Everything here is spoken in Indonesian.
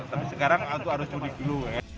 tapi sekarang itu harus curi dulu ya